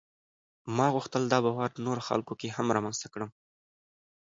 ما غوښتل دا باور نورو خلکو کې هم رامنځته کړم.